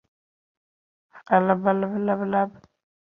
va shikastalik hanuz Ismoilning yetimligini bildirib turardi.